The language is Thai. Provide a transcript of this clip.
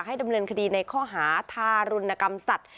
ดำเนินคดีในข้อหาทารุณกรรมสัตว์